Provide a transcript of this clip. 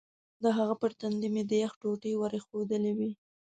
د هغه پر تندي مې د یخ ټوټې ور ایښودلې وې.